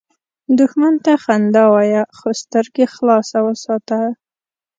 دښمن ته خندا وایه، خو سترګې خلاصه وساته